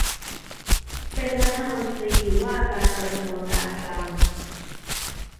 เป็นรัฐมนตรีว่าการกระทรวงการคลัง